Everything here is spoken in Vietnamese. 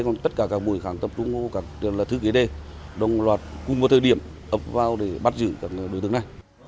còn tất cả các mũi tập trung vào thư ký đề đồng loạt cùng với thời điểm ấp vào để bắt giữ các đối tượng này